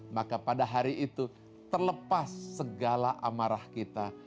maka pada hari itu terlepas segala amarah kita